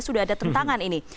sudah ada tentangan ini